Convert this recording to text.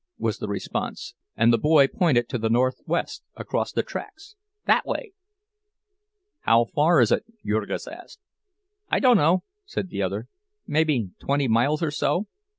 was the response, and the boy pointed to the northwest, across the tracks. "That way." "How far is it?" Jurgis asked. "I dunno," said the other. "Mebbe twenty miles or so."